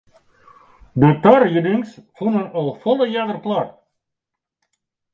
De tariedings fûnen al folle earder plak.